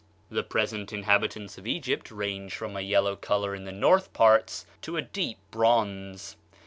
The present inhabitants of Egypt range from a yellow color in the north parts to a deep bronze.